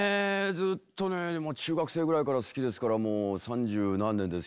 ずっとねもう中学生ぐらいから好きですからもう三十何年ですけど。